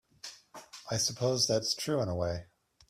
I suppose that's true in a way.